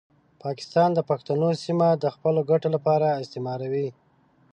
پاکستان د پښتنو سیمه د خپلو ګټو لپاره استثماروي.